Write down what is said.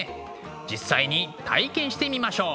実際に体験してみましょう。